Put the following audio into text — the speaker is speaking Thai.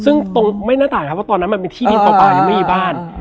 ซึ่งตรงไม่หน้าต่างครับเพราะตอนนั้นมันเป็นที่ดินปลายังไม่มีบ้าน